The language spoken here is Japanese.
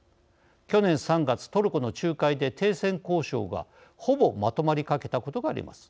去年３月、トルコの仲介で停戦交渉が、ほぼまとまりかけたことがあります。